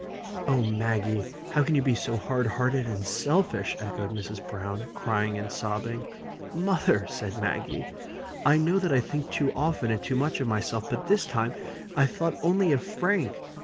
"Oh Maggie! how can you be so hard hearted and selfish?" echoed Mrs. Browne, crying and sobbing. "Mother!" said Maggie, "I know that I think too often and too much of myself. But this time I thought only of Frank.